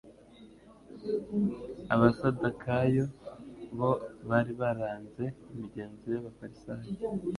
Abasadakayo bo, bari baranze imigenzo y'abafarisayo.